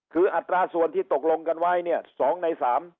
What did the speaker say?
คืออัตราส่วนที่ตกลงกันไว้เนี่ย๒ใน๓